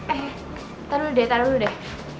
eh taro dulu deh taro dulu deh